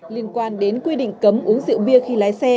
liên quan đến quy định cấm uống rượu bia khi lái xe